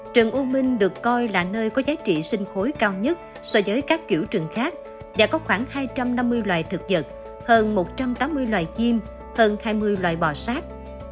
trần u minh được coi là nơi có giá trị sinh khối cao nhất so với các kiểu trường khác và có khoảng hai trăm năm mươi loài thực vật hơn một trăm tám mươi loài chim hơn hai mươi loài bò sát